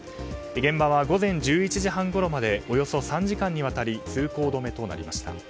現場は午前１１時半ごろまでおよそ３時間にわたり通行止めとなりました。